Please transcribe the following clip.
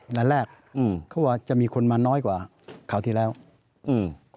แต่แรกอืมเขาบอกว่าจะมีคนมาน้อยกว่าคราวที่แล้วอืม